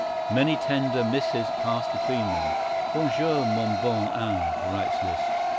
Many tender missives passed between them. "Bonjour, mon bon ange!" writes Liszt.